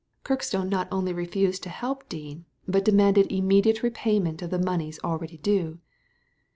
Kirkstone not only refused to help Dean, but de manded immediate repayment of the monies already due.